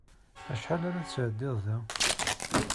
Acḥal ara tesɛeddiḍ da?